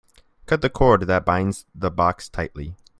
Cut the cord that binds the box tightly.